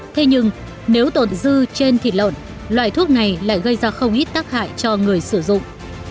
thế nhưng nếu tồn dư trên thịt lợn loại thuốc này lại gây ra không ít tác hại cho người sử dụng